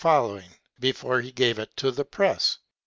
before he gave it to the press.